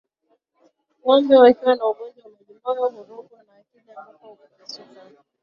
Ngombe wakiwa na ugonjwa wa majimoyo hurukwa na akili ambapo hupepesuka